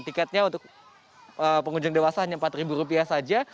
tiketnya untuk pengunjung dewasa hanya empat ribu rupiah saja